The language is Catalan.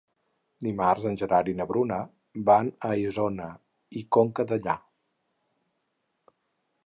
Dimarts en Gerard i na Bruna van a Isona i Conca Dellà.